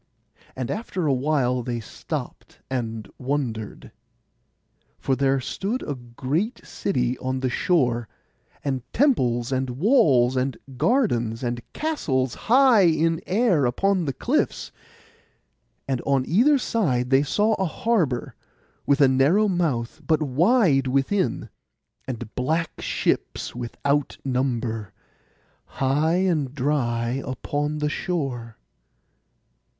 But after awhile they stopped, and wondered, for there stood a great city on the shore, and temples and walls and gardens, and castles high in air upon the cliffs. And on either side they saw a harbour, with a narrow mouth, but wide within; and black ships without number, high and dry upon the shore.